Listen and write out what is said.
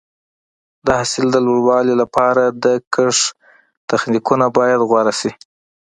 د حاصل د لوړوالي لپاره د کښت تخنیکونه باید غوره شي.